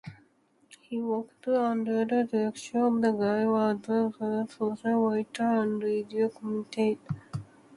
He worked under the direction of Guy Walter as author, songwriter and radio commentator.